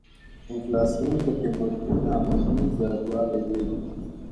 انفلاسیون د قیمتونو عمومي زیاتوالی دی.